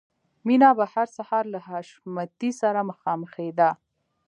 مینه به هر سهار له حشمتي سره مخامخېده